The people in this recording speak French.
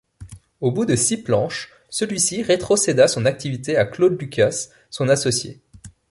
Au bout de six planches, celui-ci rétrocéda son activité à Claude Lucas son associé.